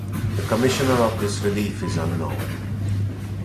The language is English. The commissioner of this relief is unknown.